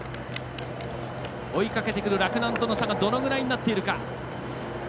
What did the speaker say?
追いかけてくる洛南との差がどのくらいになっているか。